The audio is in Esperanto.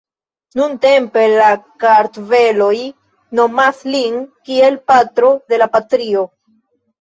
Nuntempe la kartveloj nomas lin kiel "Patro de la Patrio".